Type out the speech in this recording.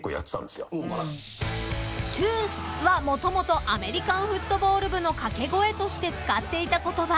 ［「トゥース！」はもともとアメリカンフットボール部の掛け声として使っていた言葉。